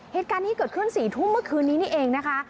เหตุการณ์นี้เกิดขึ้น๔ทุ่มเมื่อคืนนี้นี่เองนะคะ